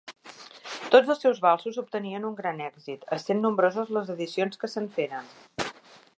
Tots els seus valsos obtenien un gran èxit, essent nombroses les edicions que se'n feren.